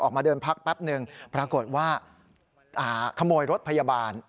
ออกมาเดินพักแป๊บนึงปรากฏว่าขโมยรถพยาบาล